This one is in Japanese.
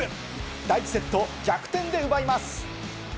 第１セットを逆転で奪います。